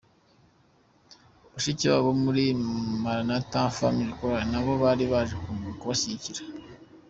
Bashiki babo bo muri Maranatha Family Choir nabo bari baje kubashyigikira.